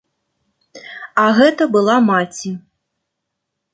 А гэта была маці.